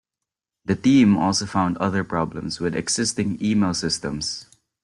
The team also found other problems with existing email systems.